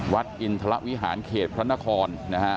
วัดอินทรวิหารเขตพระนครนะฮะ